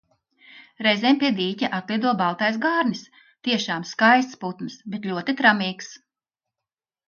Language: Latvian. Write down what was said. Reizēm pie dīķa atlido baltais gārnis - tiešām skaists putns, bet ļoti tramīgs.